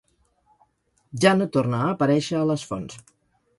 Ja no torna a aparèixer a les fonts.